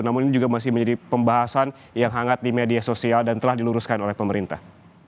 namun ini juga masih menjadi pembahasan yang hangat di media sosial dan telah diluruskan oleh pemerintah